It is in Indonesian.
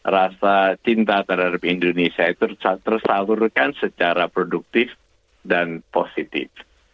rasa cinta terhadap indonesia itu tersalurkan secara produktif dan positif